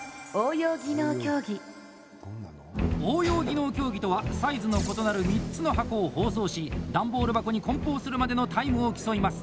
応用技能競技とはサイズの異なる３つの箱を包装し段ボール箱に梱包するまでのタイムを競います！